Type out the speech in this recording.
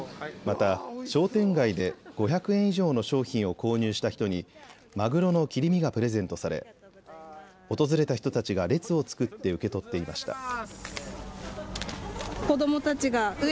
また、商店街で５００円以上の商品を購入した人にマグロの切り身がプレゼントされ訪れた人たちが列を作って受け取っていました。